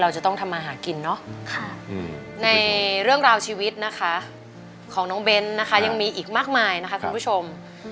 จะต้องทำมาหากินเนาะในเรื่องราวชีวิตนะคะของน้องเบ้นนะคะยังมีอีกมากมายนะคะคุณผู้ชม